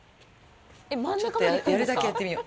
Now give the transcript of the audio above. ちょっとやるだけやってみよう。